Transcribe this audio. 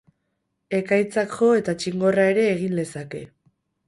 Ekaitzak jo eta txingorra ere egin lezake.